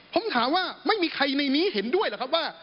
ผมถามว่าไม่มีใครในนี้เห็นด้วยหรือครับว่า